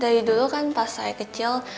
jadi dulu kan pas saya kecil